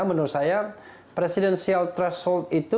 menurut saya presidensial threshold itu